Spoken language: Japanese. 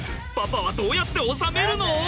パパはどうやっておさめるの？